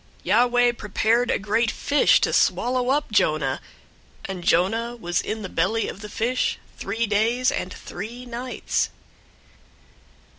001:017 Yahweh prepared a great fish to swallow up Jonah, and Jonah was in the belly of the fish three days and three nights.